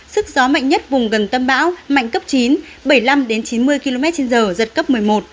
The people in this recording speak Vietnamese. sức gió mạnh nhất vùng gần tâm bão mạnh cấp chín bảy mươi năm chín mươi km trên giờ giật cấp một mươi một